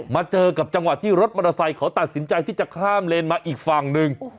มาเจอกับจังหวะที่รถมอเตอร์ไซค์เขาตัดสินใจที่จะข้ามเลนมาอีกฝั่งหนึ่ง